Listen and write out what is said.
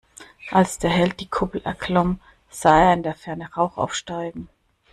Als der Held die Kuppel erklomm, sah er in der Ferne Rauch aufsteigen.